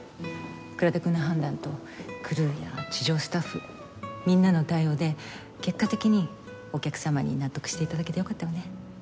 倉田くんの判断とクルーや地上スタッフみんなの対応で結果的にお客様に納得して頂けてよかったわね。